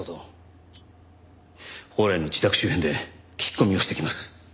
宝来の自宅周辺で聞き込みをしてきます。